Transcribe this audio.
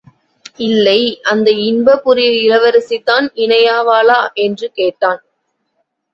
இல்லை அந்த இன்பபுரி இளவரசிதான் இணையாவாளா? என்று கேட்டான்.